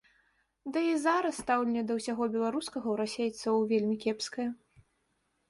Дый і зараз стаўленне да ўсяго беларускага ў расейцаў вельмі кепскае.